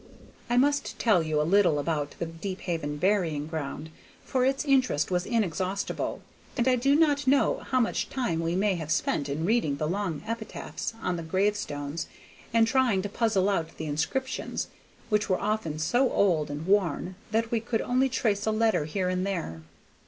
I must tell you a little about the Deephaven burying ground, for its interest was inexhaustible, and I do not know how much time we may have spent in reading the long epitaphs on the grave stones and trying to puzzle out the inscriptions, which were often so old and worn that we could only trace a letter here and there.